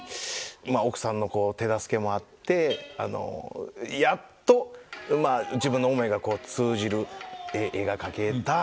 まあ奥さんの手助けもあってやっと自分の思いがこう通じる絵が描けた。